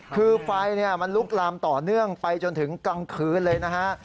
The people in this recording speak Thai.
คือไฟมันลุกลามต่อเนื่องไปจนถึงกลางคืนเลยนะฮะ